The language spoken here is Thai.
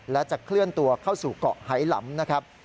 และจะเคลื่อนตัวเข้าสู่เกาะไฮลำนะครับ